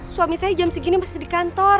suami saya jam segini masih di kantor